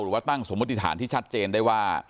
ตั้งสมมติฐานที่ชัดเจนได้ว่า